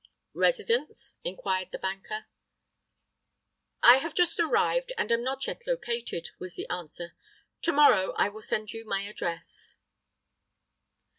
"Residence?" inquired the banker. "I have just arrived, and am not yet located," was the answer. "To morrow I will send you my address."